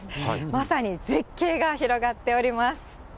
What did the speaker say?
まさに絶景が広がっております。